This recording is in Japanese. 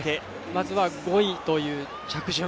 まずは５位という着順。